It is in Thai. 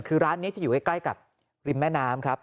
คือร้านนี้จะอยู่ใกล้กับริมแม่น้ำครับ